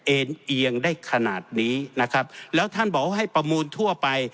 เอ็นเอียงได้ขนาดนี้นะครับแล้วท่านบอกว่าให้ประมูลทั่วไป